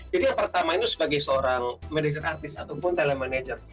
jadi yang pertama itu sebagai seorang manager artis ataupun talent manager